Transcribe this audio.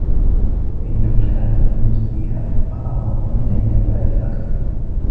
فَإِنَّ مُشَاحَّةَ النُّفُوسِ فِيهَا أَعْظَمُ وَالْعِنَادَ عَلَيْهَا أَكْثَرُ